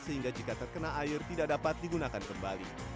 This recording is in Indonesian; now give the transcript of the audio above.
sehingga jika terkena air tidak dapat digunakan kembali